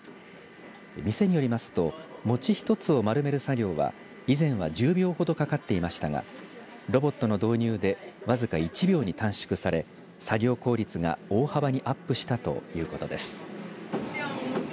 店によりますと餅１つを丸める作業は以前は１０秒ほどかかっていましたがロボットの導入で僅か１秒に短縮され作業効率が大幅にアップしたということです。